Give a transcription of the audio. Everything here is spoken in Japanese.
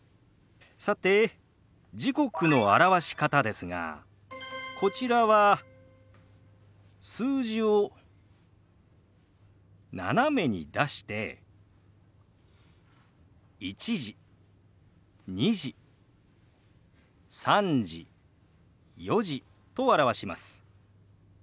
さて時刻の表し方ですがこちらは数字を斜めに出して「１時」「２時」「３時」「４時」と表します。